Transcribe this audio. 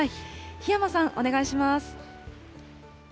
檜山さん、お願いします。